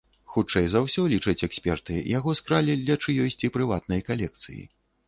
Хутчэй за ўсё, лічаць эксперты, яго скралі для чыёйсьці прыватнай калекцыі.